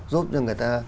giúp cho người ta